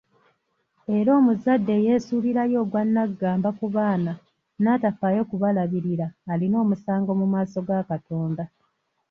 Era omuzadde eyeesuulirayo ogwa Nnaggamba ku baana n'atafaayo kubalabirira alina omusango mu maaso ga Katonda.